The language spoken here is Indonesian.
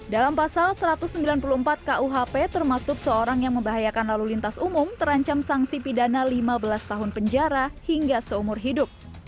dalam pasal satu ratus sembilan puluh empat kuhp termaktub seorang yang membahayakan lalu lintas umum terancam sanksi pidana lima belas tahun penjara hingga seumur hidup